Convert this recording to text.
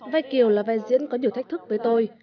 vai kiều là vai diễn có nhiều thách thức với tôi